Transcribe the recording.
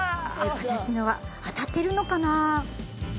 私のは当たってるのかな？